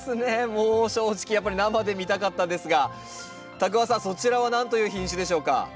もう正直やっぱり生で見たかったんですが多久和さんそちらは何という品種でしょうか？